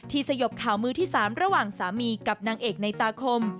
สยบข่าวมือที่๓ระหว่างสามีกับนางเอกในตาคม